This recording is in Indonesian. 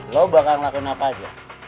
lo bakal ngelakuin apa aja